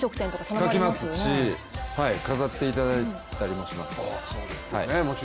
書きますし飾っていただいたりもします。